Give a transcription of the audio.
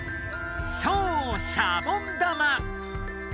そうシャボン玉！